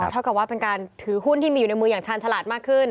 เท่ากับว่าเป็นการถือหุ้นที่มีอยู่ในมืออย่างชาญฉลาดมากขึ้น